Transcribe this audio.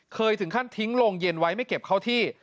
ถึงขั้นทิ้งโรงเย็นไว้ไม่เก็บเข้าที่